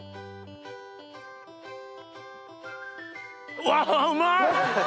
うわうまい！